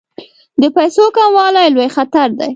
د پیسو کموالی لوی خطر دی.